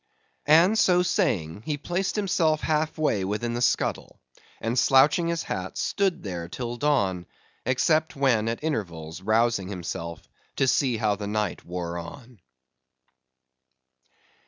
And so saying, he placed himself half way within the scuttle, and slouching his hat, stood there till dawn, except when at intervals rousing himself to see how the night wore on.